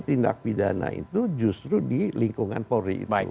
tindak pidana itu justru di lingkungan polri itu